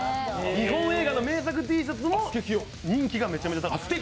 日本映画の名作Ｔシャツも人気がめちゃくちゃ高くて。